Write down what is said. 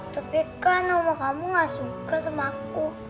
tapi kan rumah kamu gak suka sama aku